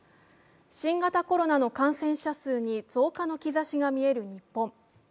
新型コロナの感染者数に増加の兆しが見える日本。